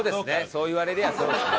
そう言われりゃそうですね。